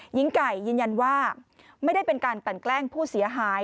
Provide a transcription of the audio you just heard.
หญิงไก่ยืนยันว่าไม่ได้เป็นการกลั่นแกล้งผู้เสียหาย